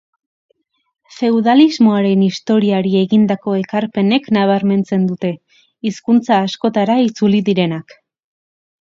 Feudalismoaren historiari egindako ekarpenek nabarmentzen dute, hizkuntza askotara itzuli direnak.